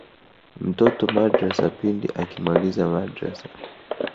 mtoto madrasa pindi akimaliza madrasa